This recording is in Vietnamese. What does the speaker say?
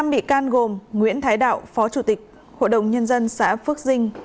năm bị can gồm nguyễn thái đạo phó chủ tịch hội đồng nhân dân xã phước dinh